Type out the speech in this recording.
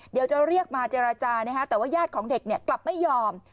เดี๋ยวจะเรียกมาเจรจานะฮะแต่ว่าญาติของเด็กกลับไม่ยอม